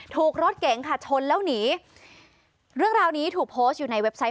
ถูกรถเก๋งค่ะชนแล้วหนีเรื่องราวนี้ถูกโพสต์อยู่ในเว็บไซต์